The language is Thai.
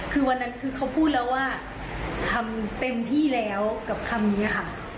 คือวันนั้นคือเขาพูดแล้วว่าทำเต็มที่แล้วกับคำนี้ค่ะ